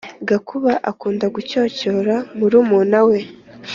gakuba akunda gucyocyora murumuna we